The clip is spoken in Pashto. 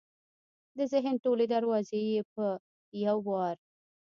د ذهن ټولې دروازې یې په یو وار